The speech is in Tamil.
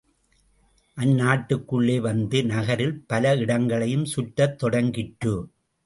அது நாட்டுக்குள்ளே வந்து, நகரில் பல இடங்களையும் சுற்றத் தொடங்கிற்று.